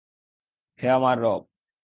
হে আমার রব!